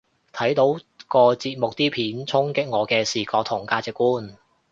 睇到個節目啲片衝擊我嘅視覺同價值觀